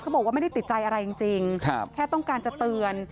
บอกว่าไม่ได้ติดใจอะไรจริงแค่ต้องการจะเตือน